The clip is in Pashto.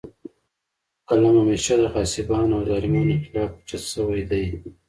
د دوي قلم همېشه د غاصبانو او ظالمانو خالف اوچت شوے دے